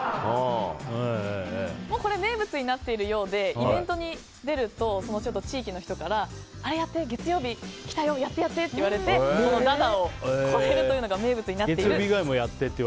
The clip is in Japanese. これ名物になっているようでイベントに出ると地域の人からあれやって月曜日来たよ、やってと言われてこの駄々をこねるというのが名物になっていると。